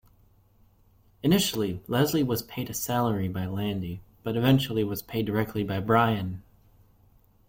Initially, Leslie was paid salary by Landy, but was eventually paid directly by Brian.